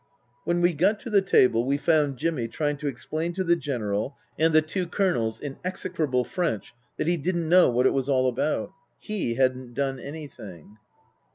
When we got to the table we found Jimmy trying to explain to the General and the two Colonels in execrable French that he didn't know what it was all about. He hadn't done anything.